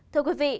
thưa quý vị